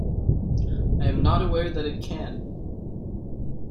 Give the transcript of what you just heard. I am not aware that it can.